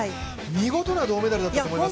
見事な銅メダルだったと思いますが。